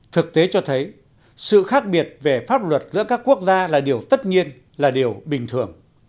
thực tế cho thấy sự khác biệt về pháp luật giữa các quốc gia là điều tất nhiên là điều bình thường